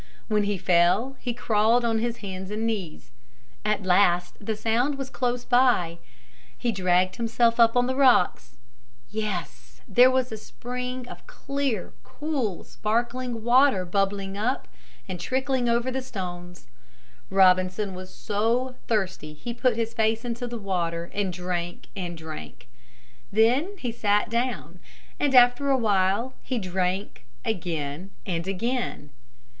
When he fell he crawled on his hands and knees. At last the sound was close by. He dragged himself up on the rocks. Yes, there was a spring of clear, cool, sparkling water bubbling up and trickling over the stones. Robinson was so thirsty he put his face into the water and drank and drank. Then he sat down, and after a while he drank again and again.